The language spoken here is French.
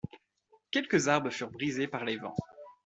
Quelques arbres furent brisés par les vents.